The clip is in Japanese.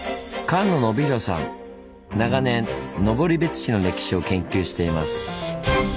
長年登別市の歴史を研究しています。